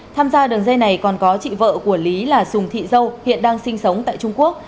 tham gia đường dây này còn có chị vợ của lý là sùng thị dâu hiện đang sinh sống tại trung quốc